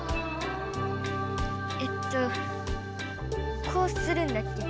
えっとこうするんだっけ？